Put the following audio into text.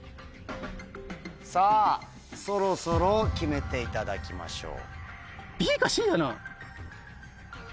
さぁそろそろ決めていただきましょう。